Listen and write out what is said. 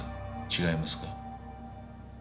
違いますか？